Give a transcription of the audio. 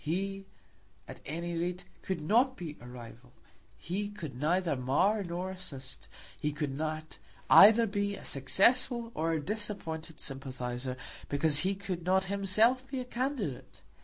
He, at any rate, could not be a rival. He could neither mar nor assist. He could not be either a successful or a disappointed sympathiser, because he could not himself be a candidate.